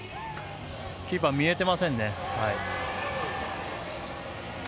キーパー見えてませんね。